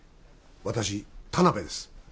私田辺です